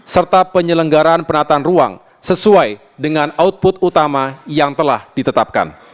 serta penyelenggaraan penataan ruang sesuai dengan output utama yang telah ditetapkan